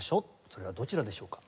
それはどちらでしょうか？